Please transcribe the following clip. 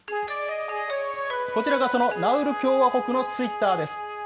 こちらがそのナウル共和国のツイッターです。